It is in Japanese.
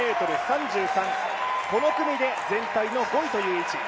この組で全体の５位という位置。